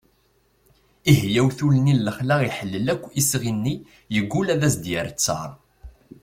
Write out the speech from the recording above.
ihi awtul-nni n lexla iḥellel akk isɣi-nni yeggul ad as-d-yerr ttar